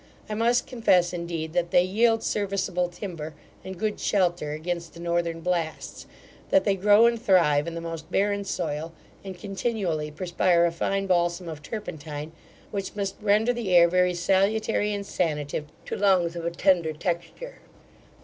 I must confess, indeed, that they yield serviceable timber, and good shelter against the northern blasts; that they grow and thrive in the most barren soil, and continually perspire a fine balsam of turpentine, which must render the air very salutary and sanative to lungs of a tender texture.